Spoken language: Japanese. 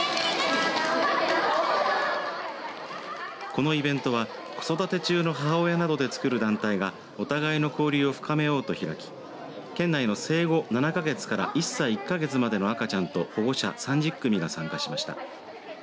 このイベントは、子育て中の母親などでつくる団体がお互いの交流を深めようと開き県内の生後７か月から１歳１か月までの赤ちゃんと保護者３０組が参加しました。